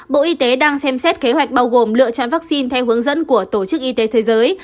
bộ y tế đang xem xét kế hoạch bao gồm lựa chọn vaccine theo hướng dẫn của tổ chức y tế thế giới